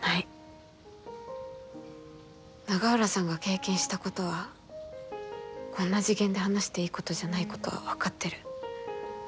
永浦さんが経験したことはこんな次元で話していいことじゃないことは分かってる。